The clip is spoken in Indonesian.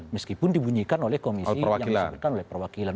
meskipun dibunyikan oleh komisi yang disebutkan oleh perwakilan